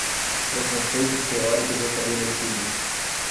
preconceitos teóricos estabelecidos